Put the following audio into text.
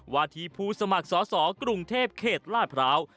วาทีผู้สมัครสอสอกรุงเทพเขตลาดพร้าว